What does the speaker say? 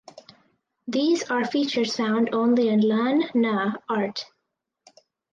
These are features found only in Lan Na art.